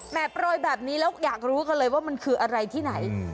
โปรยแบบนี้แล้วอยากรู้กันเลยว่ามันคืออะไรที่ไหน